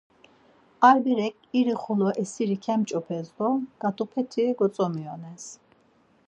Ar berek iri xolo esiri kemç̌opes do ǩat̆upeti gotzomiyones.